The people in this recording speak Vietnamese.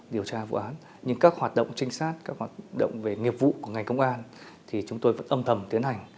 điều tra vụ án nhưng các hoạt động trinh sát các hoạt động về nghiệp vụ của ngành công an thì chúng tôi vẫn âm thầm tiến hành